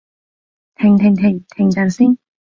停停停！停陣先